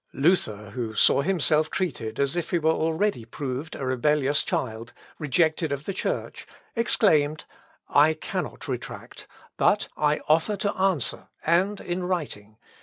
Luther, who saw himself treated as if he were already proved a rebellious child, rejected of the Church, exclaimed, "I cannot retract; but I offer to answer, and in writing.